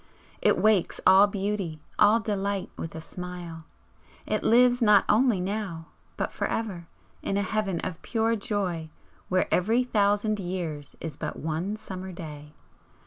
it wakes all beauty, all delight with a smile! it lives not only now, but for ever, in a heaven of pure joy where every thousand years is but one summer day!